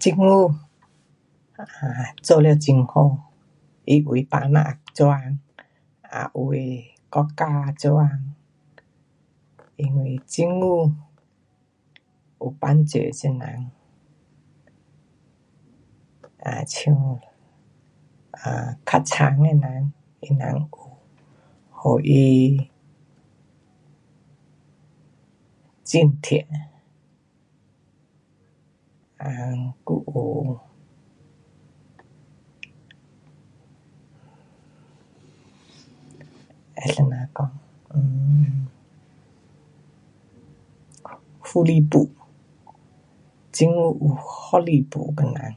很好，[um]做了很好。因为百姓做工[um]有的国家做工，因为政府有帮助这人。[um]像[um]较惨的人他人有给他津贴[um]还有 要怎么说[um]福利部，政府有福利部给人。